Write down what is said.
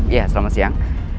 ya selamat siang